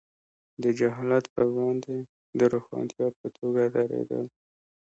د جهالت پر وړاندې د روښانتیا په توګه درېدل.